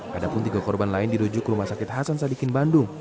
padahal tiga korban lain dirujuk ke rumah sakit hasan sadikin bandung